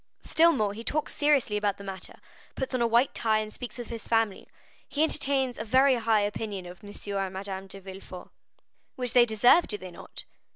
"Still more, he talks seriously about the matter, puts on a white tie, and speaks of his family. He entertains a very high opinion of M. and Madame de Villefort." "Which they deserve, do they not?"